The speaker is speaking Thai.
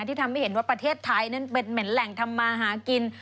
ที่ทำให้เห็นว่าประเทศไทยนั้นเป็นเหม็นแหล่งทำมาหากิน